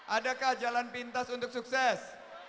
adakah jalan pintas untuk sukses